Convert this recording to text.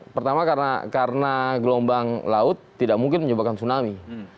pertama karena gelombang laut tidak mungkin menyebabkan tsunami